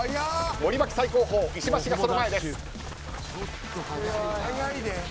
森脇、最後方石橋がその前です。